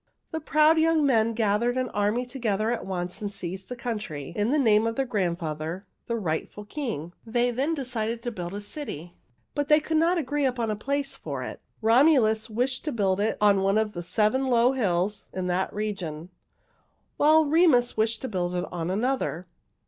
"The proud young men gathered an army together at once and seized the country in the name of their grandfather, the rightful king. They then decided to build a city, but they could not agree upon a place for it. Romulus wished to build it on one of the seven low hills in that region, while Remus wished to build it on another.